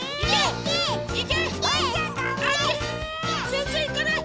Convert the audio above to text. ぜんぜんいかない！